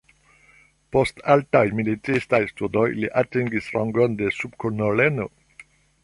Post altaj militistaj studoj li atingis rangon de subkolonelo.